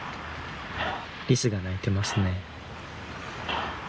リスが鳴いてますね。